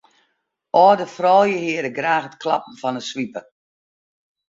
Alde fuorlju hearre graach it klappen fan 'e swipe.